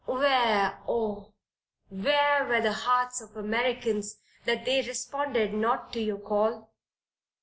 Where, oh! where were the hearts of Americans, that they responded not to your call?